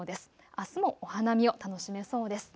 あすもお花見を楽しめそうです。